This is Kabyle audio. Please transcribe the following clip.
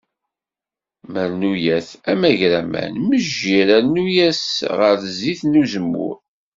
Marnuyet, amagraman, mejjir rnu-as ɣer zzit n uzemmur.